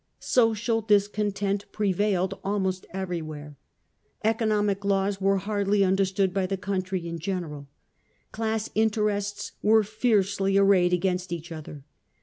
Social discontent prevailed almost everywhere. Economic laws were hardly understood by the country in general. Class interests were fiercely arrayed against each other.